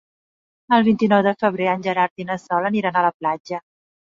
El vint-i-nou de febrer en Gerard i na Sol aniran a la platja.